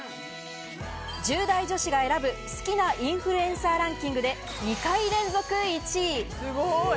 １０代女子が選ぶ好きなインフルエンサーランキングで２回連続１位。